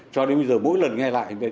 cho đến bây giờ mỗi lần nghe lại